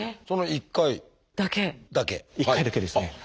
１回だけですね。